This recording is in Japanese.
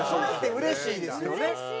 うれしいですね！